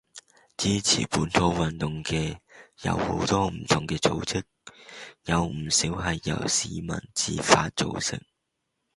支持本土運動嘅有好多唔同嘅組織，有唔少係由市民自發組成